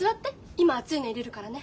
今熱いのいれるからね。